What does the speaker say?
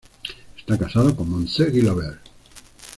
Estaba casado con Montse Gilabert.